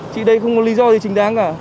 chị đây không có lý do gì chính đáng cả